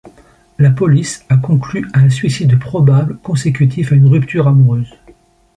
La police a conclu à un suicide probable consécutif à une rupture amoureuse.